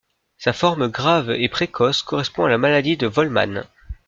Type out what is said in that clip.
Sa forme grave et précoce correspond à la maladie de Wolman.